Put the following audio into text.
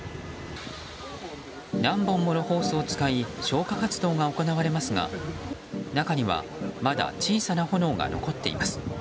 何本ものホースを使い消火活動が行われますが中には、まだ小さな炎が残っています。